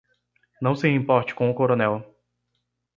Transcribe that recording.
Não se importe com o coronel.